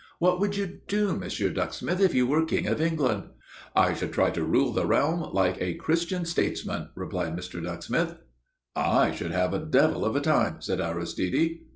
"What would you do, Mr. Ducksmith, if you were King of England?" "I should try to rule the realm like a Christian statesman," replied Mr. Ducksmith. "I should have a devil of a time!" said Aristide.